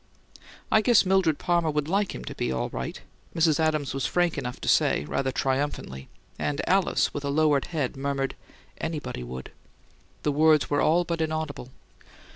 "I guess Mildred Palmer would LIKE him to be, all right!" Mrs. Adams was frank enough to say, rather triumphantly; and Alice, with a lowered head, murmured: "Anybody would." The words were all but inaudible.